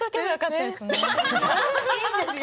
いいんですよ